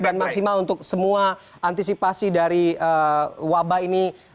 dan maksimal untuk semua antisipasi dari wabah ini